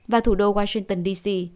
và thủ đô washington d c